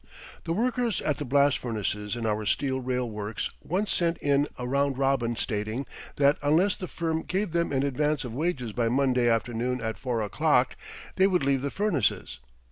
The workers at the blast furnaces in our steel rail works once sent in a "round robin" stating that unless the firm gave them an advance of wages by Monday afternoon at four o'clock they would leave the furnaces.